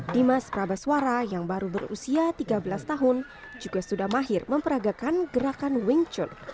dimas prabaswara yang baru berusia tiga belas tahun juga sudah mahir memperagakan gerakan wing chun